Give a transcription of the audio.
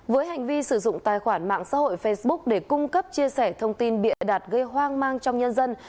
với hành vi sử dụng tài khoản mạng xã hội facebook để cung cấp chia sẻ thông tin bịa đặt gây hoang mang trong nhân dân